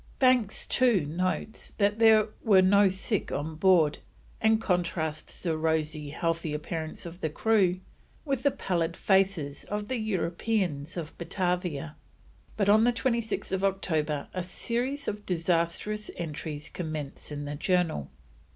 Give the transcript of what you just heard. Banks, too, notes that there were no sick on board, and contrasts the rosy, healthy appearance of the crew with the pallid faces of the Europeans of Batavia. But on 26th October a series of disastrous entries commence in the Journal.